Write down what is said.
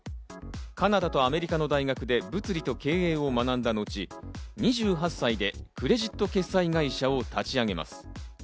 カナダとアメリカの大学で物理と経営を学んだ後、２８歳でクレジット決済会社を立ち上げます。